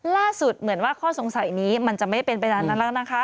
เหมือนว่าข้อสงสัยนี้มันจะไม่เป็นไปตามนั้นแล้วนะคะ